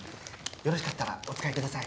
よろしかったらお使いください。